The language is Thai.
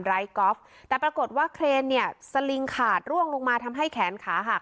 กอล์ฟแต่ปรากฏว่าเครนเนี่ยสลิงขาดร่วงลงมาทำให้แขนขาหัก